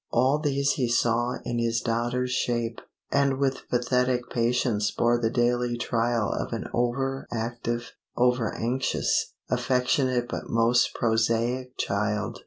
All these he saw in this daughter's shape; and with pathetic patience bore the daily trial of an over active, over anxious, affectionate but most prosaic child.